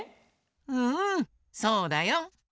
うんそうだよ。